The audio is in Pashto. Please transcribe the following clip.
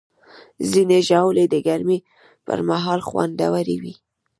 ځینې ژاولې د ګرمۍ پر مهال خوندورې وي.